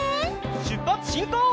しゅっぱつしんこう！